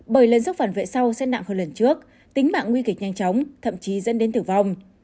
bởi lần giúp phản vệ sau sẽ nặng hơn lần trước tính mạng nguy kịch nhanh chóng thậm chí dẫn đến tử vong